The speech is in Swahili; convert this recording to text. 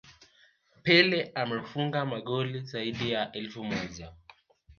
Pele amefunga magoli zaidi ya elfu moja